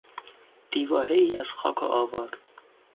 دیوارهای از خاک و آوار